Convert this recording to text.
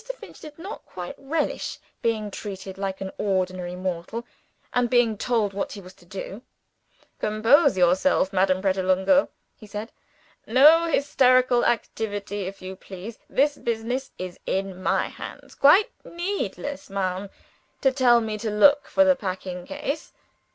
Finch did not quite relish being treated like an ordinary mortal, and being told what he was to do. "Compose yourself, Madame Pratolungo," he said. "No hysterical activity, if you please. This business is in My hands. Quite needless, ma'am, to tell Me to look for the packing case."